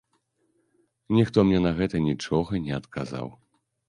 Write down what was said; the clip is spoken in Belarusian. Ніхто мне на гэта нічога не адказаў.